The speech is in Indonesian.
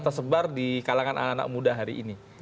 tersebar di kalangan anak anak muda hari ini